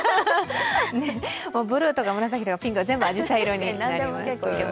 ブルーとか紫、ピンクは全部あじさい色になります。